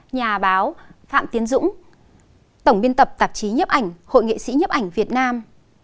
nhà báo phạm tiến dũng tổng biên tập tạp chí nhếp ảnh hội nghệ sĩ nhếp ảnh việt nam